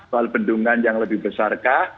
soal bendungan yang lebih besarkah